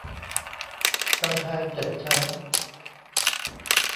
กำแพงเจ็ดชั้น